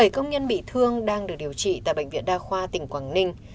bảy công nhân bị thương đang được điều trị tại bệnh viện đa khoa tỉnh quảng ninh